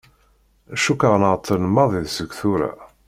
Cukkeɣ nεeṭṭel maḍi seg tura.